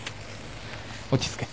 落ち着け。